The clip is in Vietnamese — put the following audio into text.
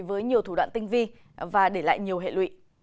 với nhiều thủ đoạn tinh vi và để lại nhiều hệ lụy